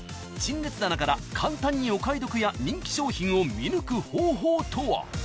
陳列棚から簡単にお買い得や人気商品を見抜く方法とは］